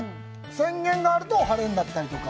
宣言があると晴れになったりとか。